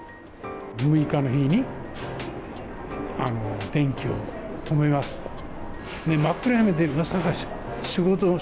６日の日に電気を止めますと。